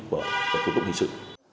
quyết định của các thủ tục hình sự